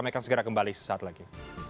kami akan segera kembali sesaat lagi